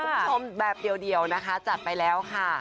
คุณผู้ชมแบบเดียวนะคะจัดไปแล้วค่ะ